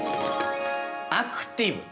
アクティブ。